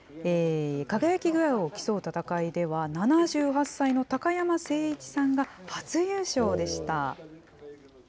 輝き具合を競う戦いでは、７８歳の高山誠一さんが初優勝でした。